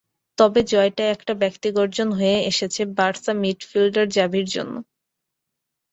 তবে জয়টা একটা ব্যক্তিগত অর্জন হয়ে এসেছে বার্সা মিডফিল্ডার জাভির জন্য।